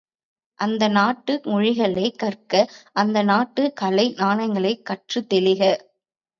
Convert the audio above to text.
அந்தந்த நாட்டு மொழிகளைக் கற்க அந்தந்த நாட்டுக் கலை ஞானங்களைக் கற்றுத் தெளிக!